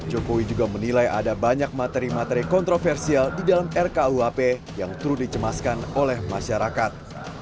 jokowi juga menilai ada banyak materi materi kontroversial di dalam rkuhp yang turut dicemaskan oleh masyarakat